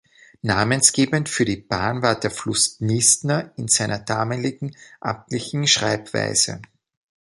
Namensgebend für die Bahn war der Fluss Dnister in seiner damaligen amtlichen Schreibweise.